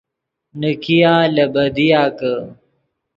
نیکیا لے بدیا کہ